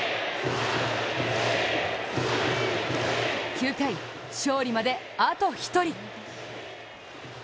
９回、勝利まであと１人。